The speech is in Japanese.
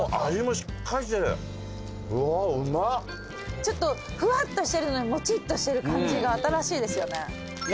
ちょっとふわっとしてるのにもちっとしてる感じが新しいですよね。